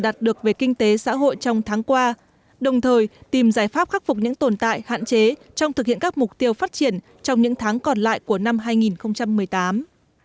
chúng ta đạt được về kinh tế xã hội trong tháng qua đồng thời tìm giải pháp khắc phục những tồn tại hạn chế trong thực hiện các mục tiêu phát triển trong những tháng còn lại của năm hai nghìn một mươi tám